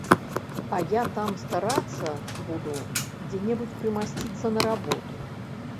А я там старацца буду дзе-небудзь прымасціцца на работу.